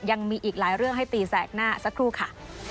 ยังมีอีกหลายเรื่องให้ตีแสกหน้าสักครู่ค่ะ